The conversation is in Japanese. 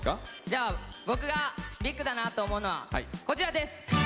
じゃあ僕がビッグだなと思うのはこちらです。